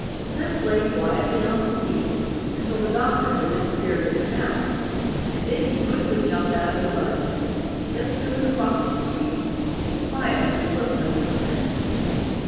Zip lay quietly on the seat until the doctor had disappeared in the house, and then he quickly jumped out of the buggy, tiptoed across the street and quietly slipped under the fence.